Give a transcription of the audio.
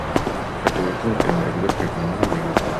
ფერდობებზე მყინვარები და ფირნული ველებია.